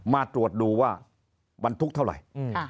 มาตรวจดูว่าบรรทุกเท่าไหร่